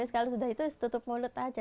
kalau sudah itu tutup mulut aja